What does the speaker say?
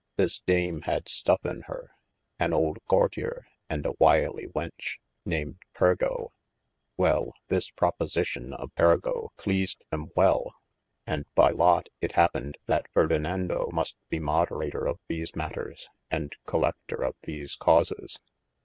This dame had stuffe in her, an old courtier, & a wylie wenche, named Pergo. Wei this proportio of Pergo pleased them well, and by lot it hapned that Ferdinando must be moderator of these matters, and coleftor of these causes.